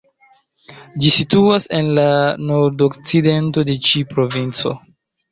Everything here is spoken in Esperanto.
Ĝi situas en la nordokcidento de ĉi provinco.